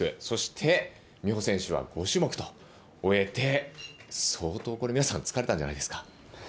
そして美帆選手は５種目と終えて相当これ皆さん疲れたんじゃないですか。